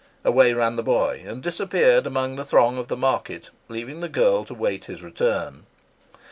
Away ran the boy and disappeared amidst the throng of the market, leaving the girl to wait his return.